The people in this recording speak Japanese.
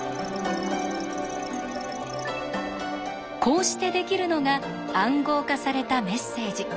こうしてできるのが暗号化されたメッセージ。